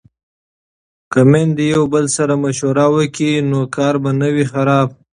که میندې یو بل سره مشوره وکړي نو کار به نه وي خراب.